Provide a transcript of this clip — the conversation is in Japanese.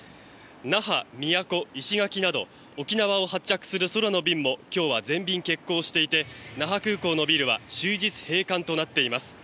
那覇、宮古、石垣など沖縄を発着する空の便も今日は全便欠航していて那覇空港のビルは終日閉館となっています。